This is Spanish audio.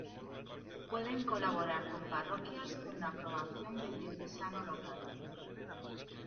Pueden colaborar con parroquias con la aprobación del diocesano local.